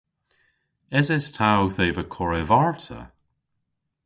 Eses ta owth eva korev arta?